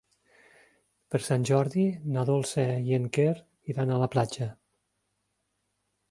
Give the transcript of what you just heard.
Per Sant Jordi na Dolça i en Quer iran a la platja.